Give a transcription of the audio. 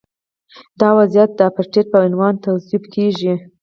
دا وضعیت د اپارټایډ په عنوان توصیف کیږي.